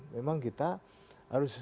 memang kita harus